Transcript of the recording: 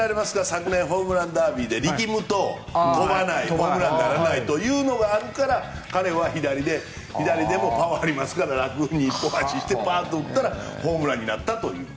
昨年、ホームランダービーで力むと飛ばないとかホームランにならないというのがあるから彼は左でもパワーがありますから楽にパーッと打ったらホームランになったという。